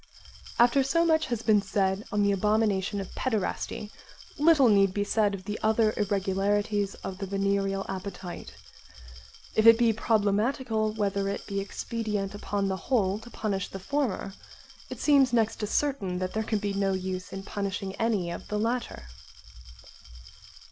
/ After so much has been said on the abomination of paederasty, little need be said of the other irregularities of the venereal appetite. If it be problematical whether it be expedient upon the whole to punish the former, it seems next to certain that there can be no use in punishing any of the latter.